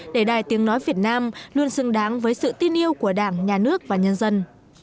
để đài tiếng nói việt nam luôn xứng đáng với sự tin yêu của đảng nhà nước và nhân dân